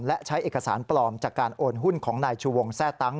และใช้เอกสารปลอมจากการโอนหุ้นของนายชูวงแทร่ตังค